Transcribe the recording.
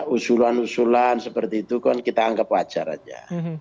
usulan usulan seperti itu kan kita anggap wajar saja